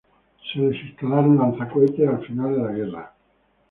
Se les instalaron lanzacohetes al final de la guerra.